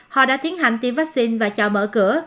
họ đã tiến hành tiêm vaccine và chờ mở cửa